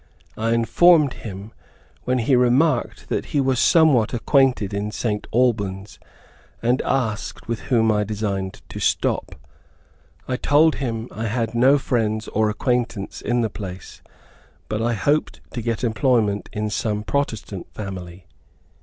I informed him, when he remarked that he was somewhat acquainted in St. Albans, and asked with whom I designed to stop. I told him I had no friends or acquaintance in the place, but I hoped to get employment in some protestant family.